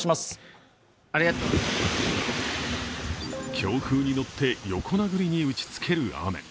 強風に乗って横殴りに打ちつける雨。